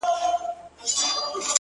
• يو څه خو وايه کنه يار خبري ډيري ښې دي؛